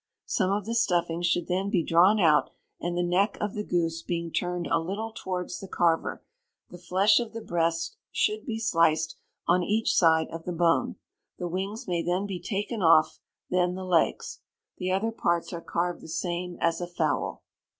Some of the stuffing should then be drawn out, and, the neck of the goose being turned a little towards the carver, the flesh of the breast should be sliced on each side of the bone. The wings may then be taken off, then the legs. The other parts are carved the same as a fowl.